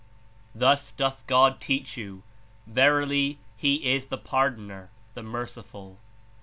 Thus doth God teach you ; verily, He is the Pardoner, the Merci ful